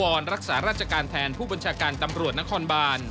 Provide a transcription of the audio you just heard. รักษาราชการแทนผู้บัญชาการตำรวจนครบาน